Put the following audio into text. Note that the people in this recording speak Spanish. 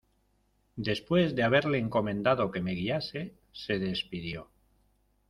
después de haberle encomendado que me guiase, se despidió.